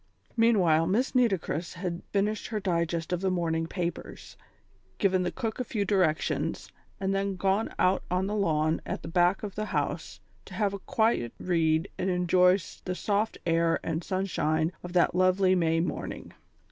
Meanwhile, Miss Nitocris had finished her digest of the morning papers, given the cook a few directions, and then gone out on the lawn at the back of the house to have a quiet read and enjoy the soft air and sunshine of that lovely May morning.